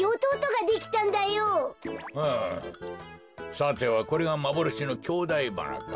さてはこれがまぼろしのきょうだいばなか。